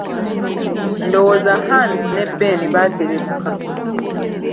Ndowooza Hands ne Ben baaterebuka.